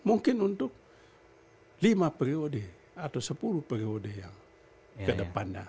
mungkin untuk lima priode atau sepuluh priode yang kedepannya